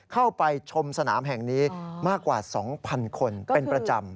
เข้าไปชมสนามแห่งนี้มากกว่า๒๐๐คนเป็นประจำ